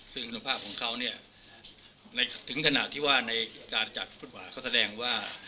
ซึ่งคุณภาพของเขาเนี่ยในถึงขณะที่ว่าในการจัดฟุตบาทเขาแสดงว่า